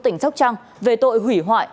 tỉnh sóc trăng về tội hủy hoại